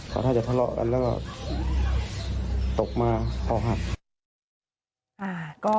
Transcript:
พอถ้าจะทะเลาะกันแล้วก็ตกมาพอหัก